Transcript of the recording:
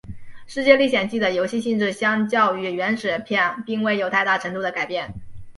世界历险记的游戏性质相较于原始片并未有太大程度的改变。